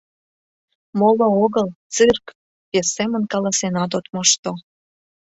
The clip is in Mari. Моло огыл — цирк, вес семын каласенат от мошто.